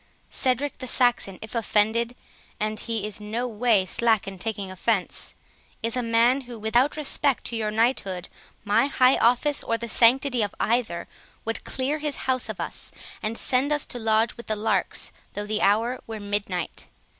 Cedric the Saxon, if offended,—and he is noway slack in taking offence,—is a man who, without respect to your knighthood, my high office, or the sanctity of either, would clear his house of us, and send us to lodge with the larks, though the hour were midnight.